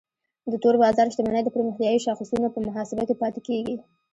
د تور بازار شتمنۍ د پرمختیایي شاخصونو په محاسبه کې پاتې کیږي.